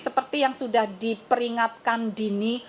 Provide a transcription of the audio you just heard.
seperti yang sudah diperingatkan dini